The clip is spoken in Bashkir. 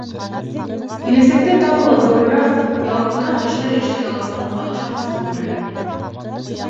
Киләсәктә тағы ла ҙурыраҡ, яуаплыраҡ эштәр эшләй аласағыңа ышаныс тыуҙыра ине.